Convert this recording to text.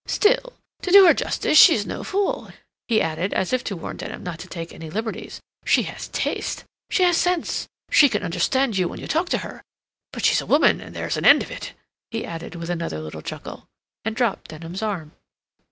Still, to do her justice, she's no fool," he added, as if to warn Denham not to take any liberties. "She has taste. She has sense. She can understand you when you talk to her. But she's a woman, and there's an end of it," he added, with another little chuckle, and dropped Denham's arm.